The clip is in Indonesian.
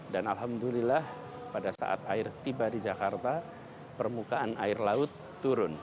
dan alhamdulillah pada saat air tiba di jakarta permukaan air laut turun